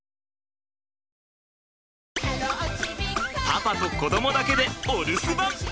パパと子どもだけでお留守番。